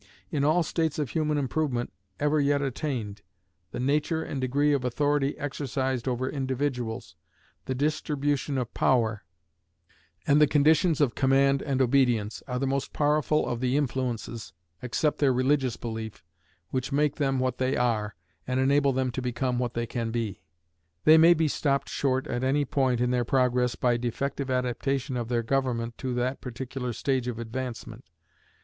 In all states of human improvement ever yet attained, the nature and degree of authority exercised over individuals, the distribution of power, and the conditions of command and obedience, are the most powerful of the influences, except their religious belief, which make them what they are, and enable them to become what they can be. They may be stopped short at any point in their progress by defective adaptation of their government to that particular stage of advancement.